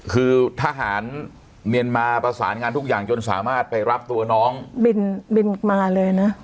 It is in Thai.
คือทหารเมียนมาประสานงานทุกอย่างจนสามารถไปรับตัวน้องบินบินมาเลยนะ